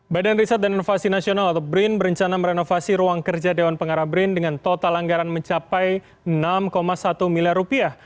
badan riset dan inovasi nasional atau brin berencana merenovasi ruang kerja dewan pengarah brin dengan total anggaran mencapai enam satu miliar rupiah